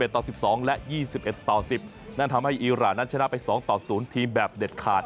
ต่อ๑๒และ๒๑ต่อ๑๐นั่นทำให้อีรานนั้นชนะไป๒ต่อ๐ทีมแบบเด็ดขาด